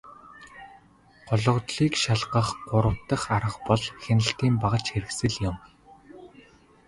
Гологдлыг шалгах гурав дахь арга бол хяналтын багажхэрэгслэл юм.